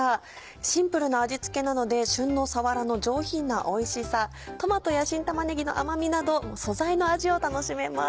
シンプルな味付けなので旬のさわらの上品なおいしさトマトや新玉ねぎの甘みなど素材の味を楽しめます。